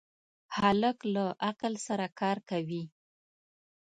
هلک له عقل سره کار کوي.